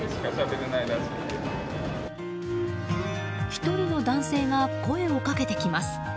１人の男性が声をかけてきます。